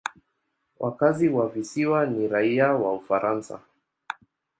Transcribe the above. Wakazi wa visiwa ni raia wa Ufaransa.